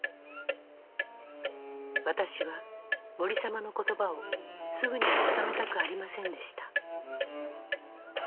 私は森様の言葉をすぐには認めたくありませんでした